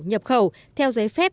nhập khẩu theo giấy phép